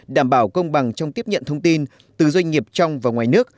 đảm bảo công bằng trong tiếp nhận thông tin từ doanh nghiệp trong và ngoài nước